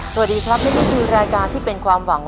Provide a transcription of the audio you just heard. สวัสดีครับและนี่คือรายการที่เป็นความหวัง